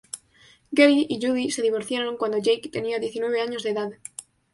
Gary y Judy se divorciaron cuando Jake tenía diecinueve años de edad.